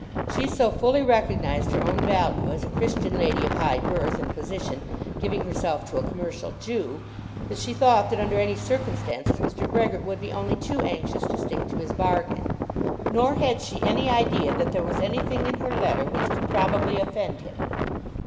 She so fully recognised her own value as a Christian lady of high birth and position giving herself to a commercial Jew, that she thought that under any circumstances Mr. Brehgert would be only too anxious to stick to his bargain. Nor had she any idea that there was anything in her letter which could probably offend him.